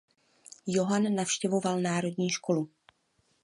Johann navštěvoval národní školu.